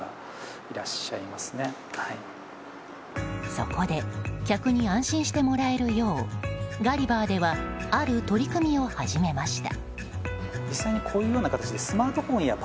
そこで客に安心してもらえるようガリバーではある取り組みを始めました。